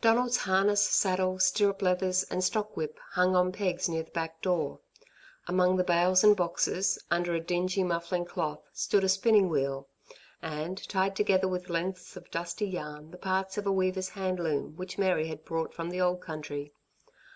Donald's harness, saddle, stirrup leathers and stock whip hung on pegs near the back door. Among the bales and boxes, under a dingy muffling cloth, stood a spinning wheel, and, tied together with lengths of dusty yarn, the parts of a weaver's hand loom which Mary had brought from the old country.